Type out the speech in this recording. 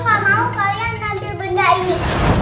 aku gak mau kalian tampil benda ini